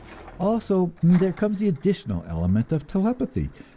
Also, there comes the additional element of telepathy.